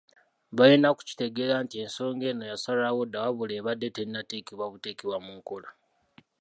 Balina kukitegeera nti ensonga eno yasalwawo dda wabula ebadde tennateekebwa buteekebwa mu nkola.